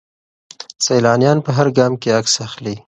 سیلانیان په هر ګام کې عکس اخلي.